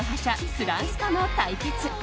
フランスとの対決。